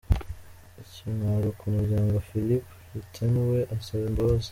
Ikimwaro ku muryango, Filip Reyntjens we asaba imbabazi